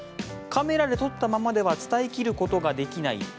カメラで撮ったままでは伝えきることができない